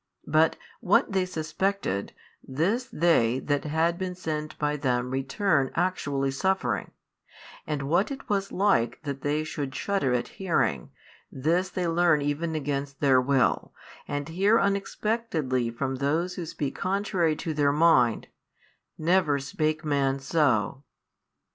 But what they suspected, this they that had been sent by them returned actually suffering, and what it was like that they would shudder at hearing, this they learn even against their will, and hear unexpectedly from those who speak contrary to their mind, Never spake man so.